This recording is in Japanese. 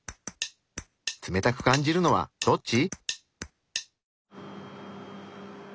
冷たく感じるのはどっち？